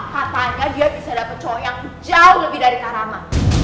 katanya dia bisa dapet cowok yang jauh lebih dari karama